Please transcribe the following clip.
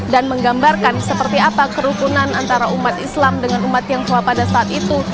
dan menggambarkan seperti apa kerukunan antara umat islam dengan umat tionghoa pada saat itu